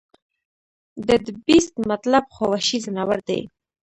د The Beast مطلب خو وحشي ځناور دے